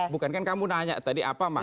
bukan kan kamu nanya tadi apa